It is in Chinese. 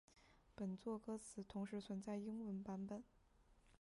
本作歌词同时存在英文版本。